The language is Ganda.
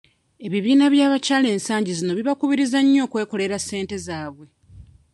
Ebibiina by'abakyala ensangi zino bibakubiriza nnyo okwekolera ssente zaabwe.